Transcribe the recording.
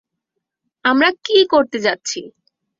আমরা কী করতে যাচ্ছি?